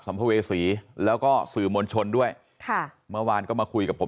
ภเวษีแล้วก็สื่อมวลชนด้วยค่ะเมื่อวานก็มาคุยกับผม